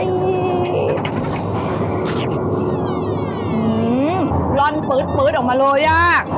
อือล้อนฟื้ดฟื้นออกมาโลยาก